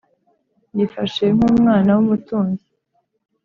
Yifashe nkumwana w’umutunzi